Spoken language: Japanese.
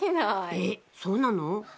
「えっそうなの？」